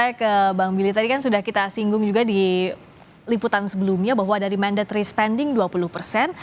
saya ke bang billy tadi kan sudah kita singgung juga di liputan sebelumnya bahwa dari mandatory spending dua puluh persen